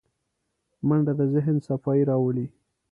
منډه د ذهن صفايي راولي